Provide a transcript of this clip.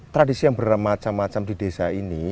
tradisi yang bermacam macam di desa ini